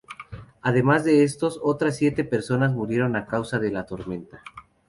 Además de estos, otras siete personas murieron a causa de la tormenta.